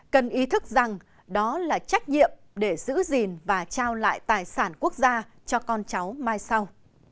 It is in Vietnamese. cần ý thức rằng đó là trách nhiệm để giữ gìn và trao lại tài sản quốc gia cho con cháu mai sau